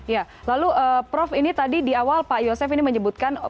ya lalu prof ini tadi di awal pak yosef ini menyebutkan